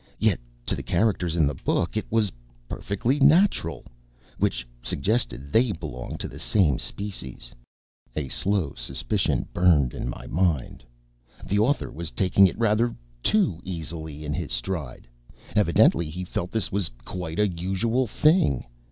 Yet, to the characters in the book, it was perfectly natural which suggested they belonged to the same species. And the author? A slow suspicion burned in my mind. The author was taking it rather too easily in his stride. Evidently, he felt this was quite a usual thing.